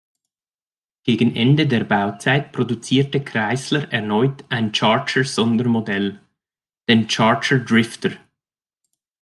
Gegen Ende der Bauzeit produzierte Chrysler erneut ein Charger-Sondermodell, den Charger Drifter.